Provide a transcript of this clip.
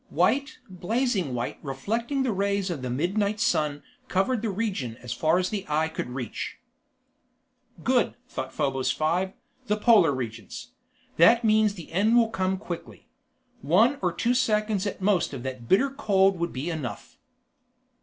White, blazing white reflecting the rays of the midnight sun covered the region as far as the eye could reach. "Good," thought Probos Five, "the Polar regions. That means the end will come quickly. One or two seconds at the most of that bitter cold would be enough."